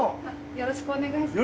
よろしくお願いします。